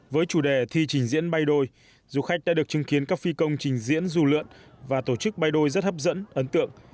với chủ đề thi trình diễn bay đôi du khách đã được chứng kiến các phi công trình diễn rủ lượn và tổ chức bay đôi rất hấp dẫn ấn tượng